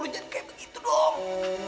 jangan kayak begitu dong